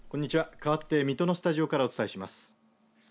かわって水戸のスタジオからお伝えいたします。